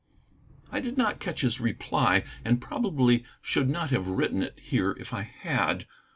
I did not catch his reply, and probably should not have written it here if I had.